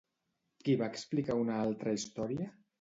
Qui va explicar una altra història?